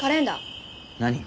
何？